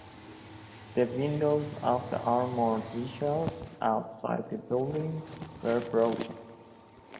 The windows of the armored vehicles outside the building were broken.